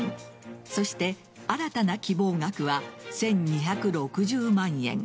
そして新たな希望額は１２６０万円。